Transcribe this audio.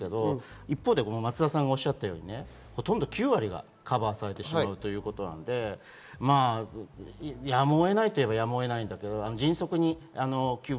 一方で松田さんがおっしゃったように、９割がカバーされてしまうということなのでやむを得ないと言えば、やむを得ないんですけれども、迅速に給付